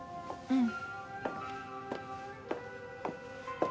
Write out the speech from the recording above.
うん。